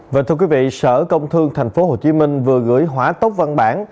và thưa quý vị sở công thương tp hcm vừa gửi hỏa tốc văn bản